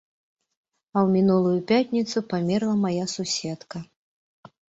А ў мінулую пятніцу памерла мая суседка.